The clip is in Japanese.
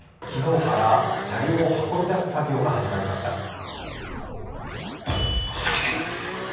昨日から車両を運び出す作業が始まりました。